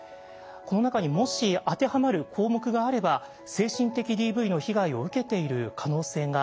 この中にもし当てはまる項目があれば精神的ＤＶの被害を受けている可能性があります。